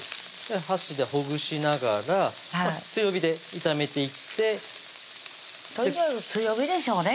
箸でほぐしながら強火で炒めていって強火でしょうね